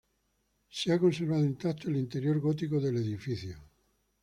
Se ha conservado intacto el interior gótico del edificio.